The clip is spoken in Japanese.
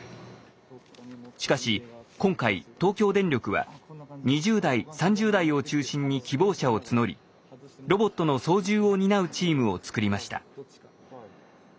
しかし今回東京電力は２０代３０代を中心に希望者を募りロボットの操縦を担うチームを作りました。